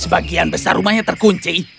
sebagian besar rumahnya terkunci